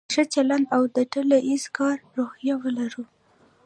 ښه چلند او د ډله ایز کار روحیه ولرو.